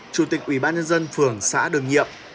chủ tịch ủy ban nhân dân phường xã đường nhiệm